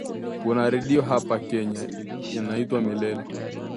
Kuna redio hapa Kenya inaitwa Milele